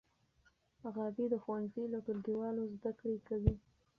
غابي د ښوونځي له ټولګیوالو زده کړې کوي.